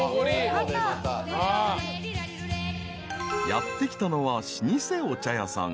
［やって来たのは老舗お茶屋さん］